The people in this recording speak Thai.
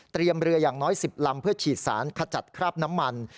เรืออย่างน้อย๑๐ลำเพื่อฉีดสารขจัดคราบน้ำมัน